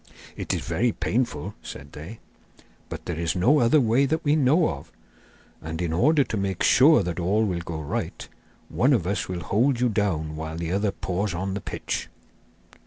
'It is very painful,' said they, 'but there is no other way that we know of. And in order to make sure that all will go right, one of us will hold you down while the other pours on the pitch.